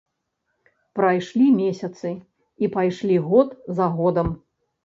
Прайшлі месяцы, і пайшлі год за годам.